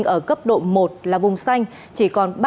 ở cấp độ một là vùng xanh